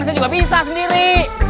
saya juga bisa sendiri